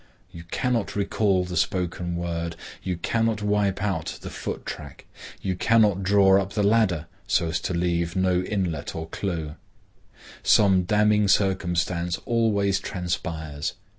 You cannot recall the spoken word, you cannot wipe out the foot track, you cannot draw up the ladder, so as to leave no inlet or clew. Some damning circumstance always transpires.